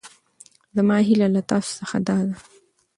زما هېله له تاسو څخه دا ده.